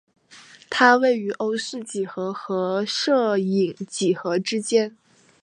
它位于欧氏几何和射影几何之间。